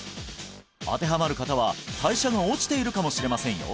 当てはまる方は代謝が落ちているかもしれませんよ